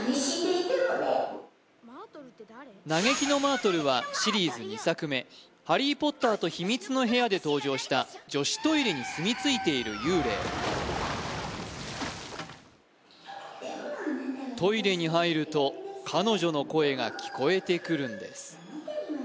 嘆きのマートルはシリーズ２作目「ハリー・ポッターと秘密の部屋」で登場した女子トイレに住みついている幽霊トイレに入ると彼女の声が聞こえてくるんです